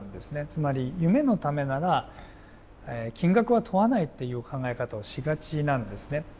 つまり夢のためなら金額は問わないっていう考え方をしがちなんですね。